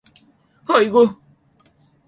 아이구!